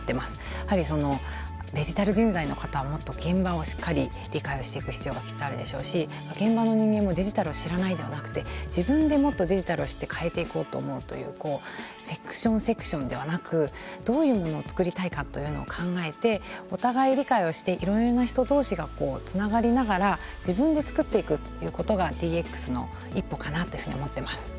やはり、デジタル人材の方はもっと現場をしっかり理解していく必要がきっと、あるでしょうし現場の人間もデジタルを知らないではなくて自分でもっとデジタルを知って変えていこうと思うというセクション、セクションではなくどういうものを作りたいかというのを考えてお互い理解をしていろいろな人どうしがつながりながら自分で作っていくということがＤＸの一歩かなというふうに思っています。